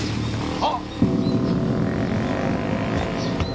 あっ！